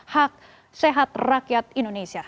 hak sehat rakyat indonesia